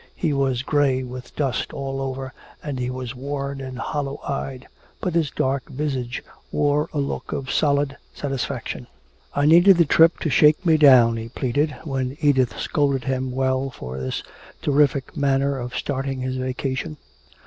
He was gray with dust all over and he was worn and hollow eyed, but his dark visage wore a look of solid satisfaction. "I needed the trip to shake me down," he pleaded, when Edith scolded him well for this terrific manner of starting his vacation.